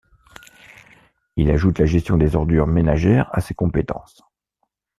Il ajoute la gestion des ordures ménagères à ses compétences.